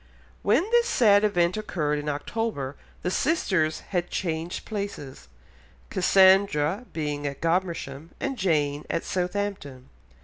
When this sad event occurred in October the sisters had again changed places, Cassandra being at Godmersham and Jane at Southampton.